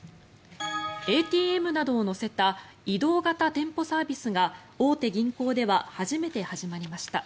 ＡＴＭなどを載せた移動型店舗サービスが大手銀行では初めて始まりました。